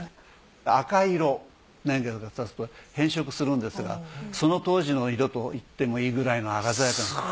赤い色年月がたつと変色するんですがその当時の色といってもいいくらいの鮮やかな。